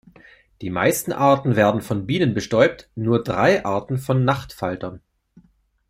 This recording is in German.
Die meisten Arten werden von Bienen bestäubt, nur drei Arten von Nachtfaltern.